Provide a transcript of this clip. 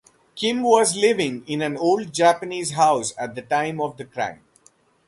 Kim was living in an old Japanese house at the time of the crime.